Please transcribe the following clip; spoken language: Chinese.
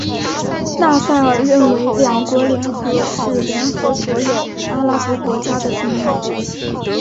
纳赛尔认为两国联合是联合所有阿拉伯国家的第一步。